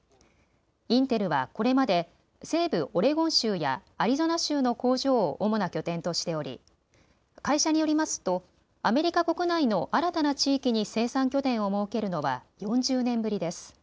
インテルはこれまで西部オレゴン州やアリゾナ州の工場を主な拠点としており会社によりますとアメリカ国内の新たな地域に生産拠点を設けるのは４０年ぶりです。